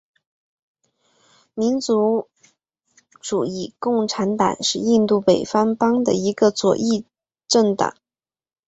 民族主义共产党是印度北方邦的一个左翼政党。